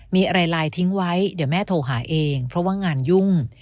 มีอะไรไลน์ทิ้งไว้เดี๋ยวแม่โทรหาเองเพราะว่างานยุ่ง